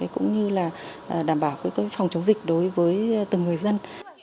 cũng như là đảm bảo phòng chống dịch đối với từng người dân